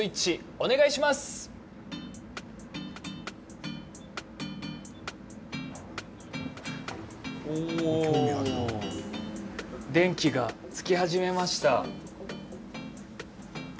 おお、電気がつき始めました。